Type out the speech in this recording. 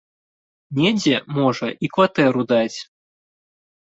Недзе, можа, і кватэру даць.